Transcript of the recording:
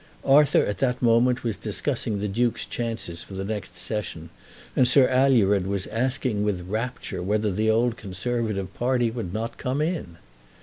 Arthur at that moment was discussing the Duke's chance for the next Session, and Sir Alured was asking with rapture whether the old Conservative party would not come in.